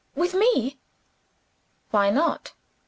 With me?" "Why not?"